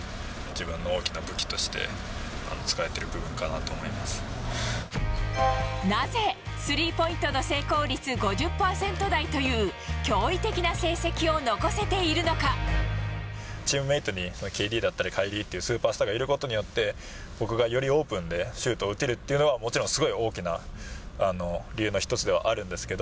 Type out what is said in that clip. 自分の大きな武器として、なぜ、スリーポイントの成功率５０％台という、チームメートに、ＫＤだったり、カイリーっていうスーパースターがいることによって、僕がよりオープンで、シュートを打てるっていうのが、もちろんすごい大きな理由の一つではあるんですけど。